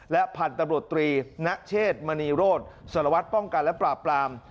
และพันธุ์ตำรวจตรีณเชษมณีโรธสารวัตรป้องกันและปราบปราม